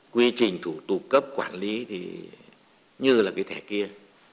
quy trình thủ tục cấp quản lý thì như là cái thẻ kia